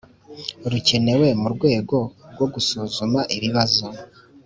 Rukenewe mu rwego rwo gusuzuma ibibazo